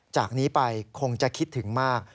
จากนี้ไปคงจะคิดถึงมาก